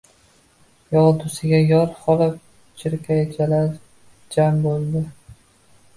Yog‘dusiga yor qolib, chirkaychalar jam bo‘ldi.